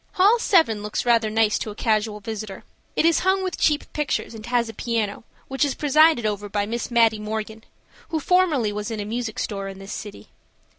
Hall 7 looks rather nice to a casual visitor. It is hung with cheap pictures and has a piano, which is presided over by Miss Mattie Morgan, who formerly was in a music store in this city.